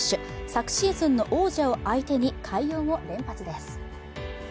昨シーズンの王者を相手に快音を連発です。